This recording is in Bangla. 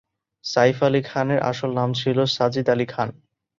সাইফ আলী খানের আসল নাম ছিল সাজিদ আলী খান।